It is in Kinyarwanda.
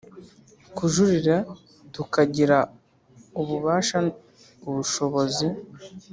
Kujurira kutagira ububasha ubushobozi